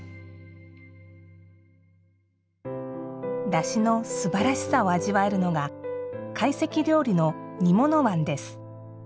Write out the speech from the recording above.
だしのすばらしさを味わえるのが懐石料理の煮物わんです。